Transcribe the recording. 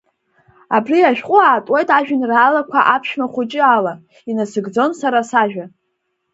Абри ашәҟәы аатуеит ажәеинраалақәа Аԥшәма хәыҷы ала, инасыгӡон сара сажәа.